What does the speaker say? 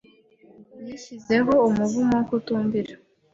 Yishyizeho umuvumo wo kutumvira.